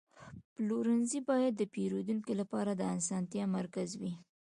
پلورنځی باید د پیرودونکو لپاره د اسانتیا مرکز وي.